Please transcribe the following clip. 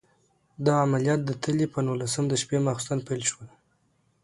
دا عملیات د تلې په نولسم د شپې ماخوستن پیل شول.